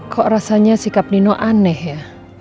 kok rasanya sikap nino aneh ya